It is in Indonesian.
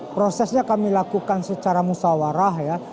prosesnya kami lakukan secara musawarah ya